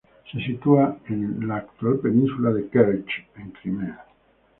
Se situaba en la actual península de Kerch, en Crimea.